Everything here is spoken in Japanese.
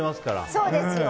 そうですよ。